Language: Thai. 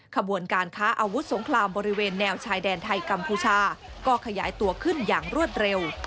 ขบวนการค้าอาวุธสงครามบริเวณแนวชายแดนไทยกัมพูชาก็ขยายตัวขึ้นอย่างรวดเร็ว